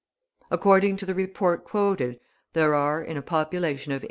According to the report quoted, there are, in a population of 8.